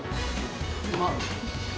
うまっ。